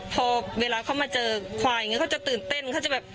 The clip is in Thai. พอเวลาเขามาเจอควายอย่างนี้เขาจะตื่นเต้น